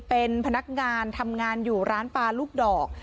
เป็นพนักงานทำงานอยู่ร้านปลาลูกดอก